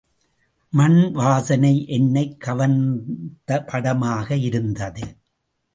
மண்வாசனை என்னைக் கவர்ந்த படமாக இருந்தது.